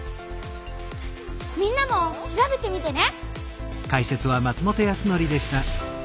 みんなも調べてみてね！